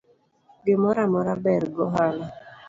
Gimoro amora ber gohala